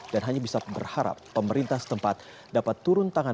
dan hanya bisa berharap pemerintah setempat dapat turun tangan